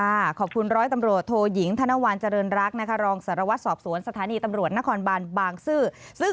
ขอบคุณร้อยตำรวจโทยิงธนวัลเจริญรักษ์นะคะรองสารวัตรสอบสวนสถานีตำรวจนครบานบางซื่อซึ่ง